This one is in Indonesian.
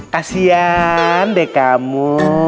kasian deh kamu